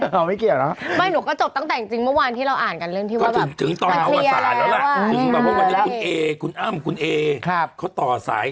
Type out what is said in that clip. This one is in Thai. เราไม่เกี่ยวเนอะไม่หนูก็จบตั้งแต่จริงเมื่อวานที่เราอ่านกันเรื่องที่ว่าสารแล้วล่ะ